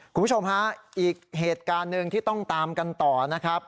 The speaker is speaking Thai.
คุณผู้ชมฮะอีกเหตุการณ์หนึ่งที่ต้องตามกันต่อนะครับ